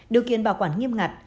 điều kiện bảo quản nghiêm ngặt